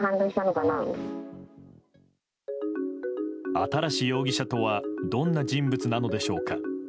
新容疑者とはどんな人物なのでしょうか。